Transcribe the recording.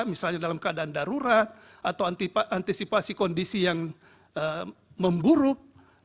misalnya dalam keadaan darurat atau antisipasi kondisi yang memburuk